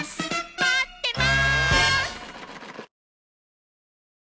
待ってます！